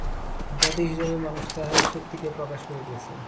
জাতি-হিসাবে মানুষ তাহার শক্তিকে প্রকাশ করিতেছে।